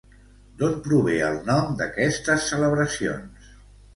D'on prové el nom d'aquestes celebracions?